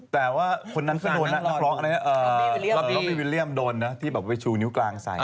แต่ว่านักรอกก็กองโปรปีวิลเลียมโดนนะที่ชูนิ้วกลางใส่